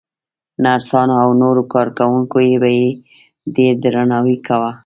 نرسانو او نورو کارکوونکو به يې هم ډېر درناوی کاوه.